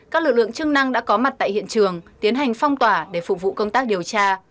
các lực lượng chức năng đã có mặt tại hiện trường tiến hành phong tỏa để phục vụ công tác điều tra